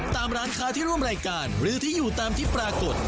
ตามร้านค้าที่ร่วมรายการหรือที่อยู่ตามที่ปรากฏ